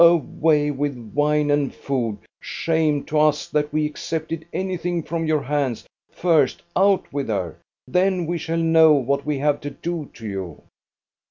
Away with wine and food! Shame to us, that we accepted anything from your hands ! First, out with her ! Then we shall know what we have to do to you.